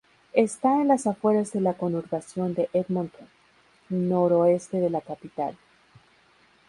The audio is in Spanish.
Está en las afueras de la conurbación de Edmonton, noroeste de la capital.